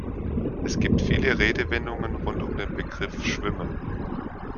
Es gibt viele Redewendungen rund um den Begriff Schwimmen.